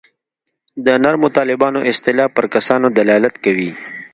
د نرمو طالبانو اصطلاح پر کسانو دلالت کوي.